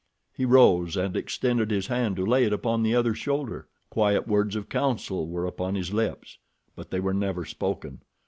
He rose and extended his hand to lay it upon the other's shoulder. Quiet words of counsel were upon his lips; but they were never spoken.